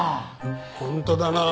本当だなあ。